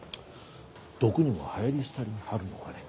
毒にもはやり廃りがあるのかね。